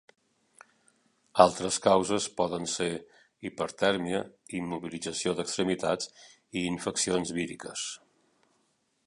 Altres causes poden ser: hipertèrmia, immobilització d'extremitats i infeccions víriques.